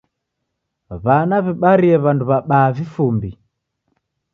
W'ana w'ibarie w'andu w'abaa vifumbi.